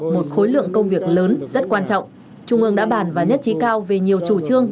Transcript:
một khối lượng công việc lớn rất quan trọng trung ương đã bàn và nhất trí cao về nhiều chủ trương